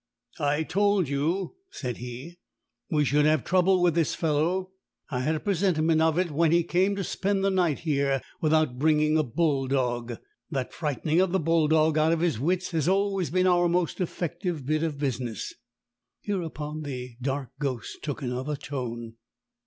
"I told you," said he, "we should have trouble with this fellow. I had a presentiment of it when he came to spend the night here without bringing a bull dog. That frightening of the bull dog out of his wits has always been our most effective bit of business." Hereupon the dark ghost took another tone.